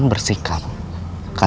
saya berpikir anda menanggar